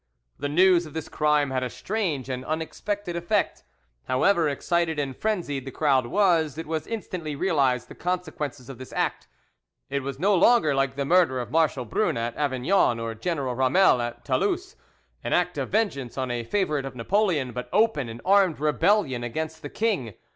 The news of this crime had a strange and unexpected effect; however excited and frenzied the crowd was, it instantly realised the consequences of this act. It was no longer like the murder of Marshal Brune at Avignon or General Ramel at Toulouse, an act of vengeance on a favourite of Napoleon, but open and armed rebellion against the king.